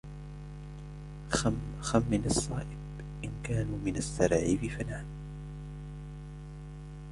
خمن الصائب: " إن كانوا من السراعيف ، فنعم ".